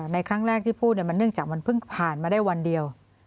ในครั้งแรกที่พูดมันเนื่องจากมันเพิ่งผ่านมาได้วันเดียว